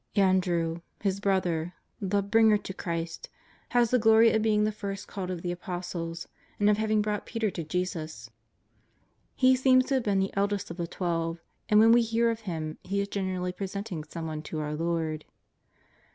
Andrew, his brother, the " Bringer to Christ," has the glory of being the first called of the Apostles, and of having brought Peter to Jesus. He seems to have been the oldest of the Twelve, and when we hear of him he is generally presenting some one to our Lord.